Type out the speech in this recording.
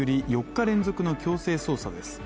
４日連続の強制捜査です。